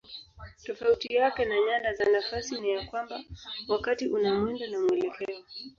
Tofauti yake na nyanda za nafasi ni ya kwamba wakati una mwendo na mwelekeo.